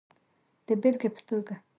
د بېلګې په توګه